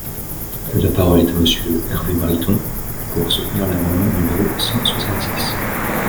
La parole est à Monsieur Hervé Mariton, pour soutenir l’amendement numéro cent soixante-six.